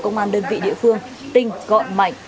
công an đơn vị địa phương tinh gọn mạnh